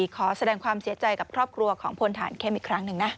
ขอแสดงความเสียใจกับครอบครัวของพลฐานเข้มอีกครั้งหนึ่งนะ